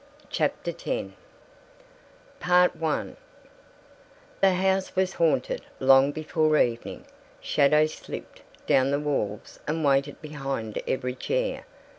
CHAPTER X THE house was haunted, long before evening. Shadows slipped down the walls and waited behind every chair.